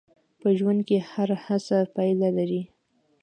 په ژوند کې هره هڅه پایله لري.